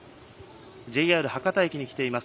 ＪＲ博多駅に来ています。